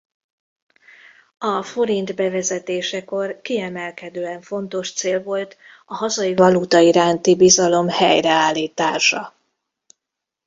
A forint bevezetésekor kiemelkedően fontos cél volt a hazai valuta iránti bizalom helyreállítása.